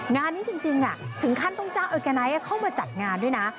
งานนี้จริงถึงขั้นต้องจ้างอร์แกไนท์เข้ามาจัดงานด้วยนะ